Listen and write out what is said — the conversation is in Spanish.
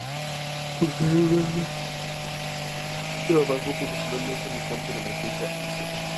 Posteriormente trabajó profesionalmente en el campo de la ciencia ficción.